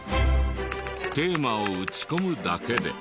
テーマを打ち込むだけで。